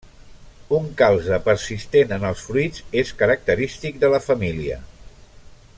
Un calze persistent en els fruits és característic de la família.